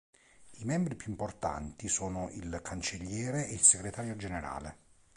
I membri più importanti sono il Cancelliere e il Segretario generale.